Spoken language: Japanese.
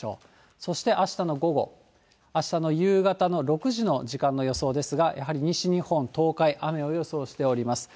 そしてあしたの午後、あしたの夕方の６時の時間の予想ですが、やはり西日本、東海、雨を予想しております。